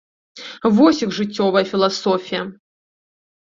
Вось іх жыццёвая філасофія.